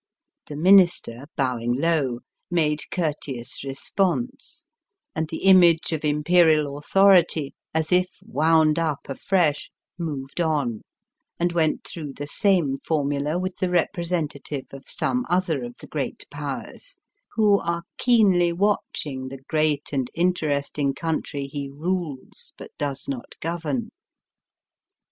The Minister, bowing low, made courteous re sponse, and the image of Imperial authority, as if wound up afresh, moved on, and went through the same formula with the represen tative of some other of the Great Powers, who are keenly watching the great and interesting country he rules, but does not govern.